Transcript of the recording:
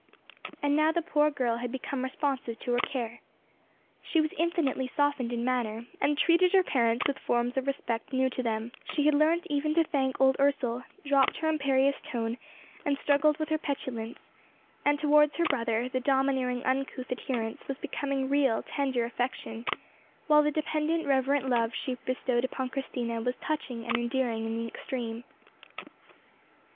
And now the poor girl had become responsive to her care. She was infinitely softened in manner, and treated her parents with forms of respect new to them; she had learnt even to thank old Ursel, dropped her imperious tone, and struggled with her petulance; and, towards her brother, the domineering, uncouth adherence was becoming real, tender affection; while the dependent, reverent love she bestowed upon Christina was touching and endearing in the extreme.